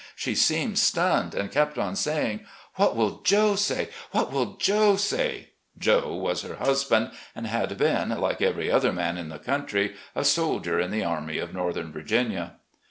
She seemed stunned, and kept on saying :' What will Joe say ? What will Joe say 1' Joe was her husband, and had been, like every other man in the country, a soldier in the ' Army of Northern Virginia.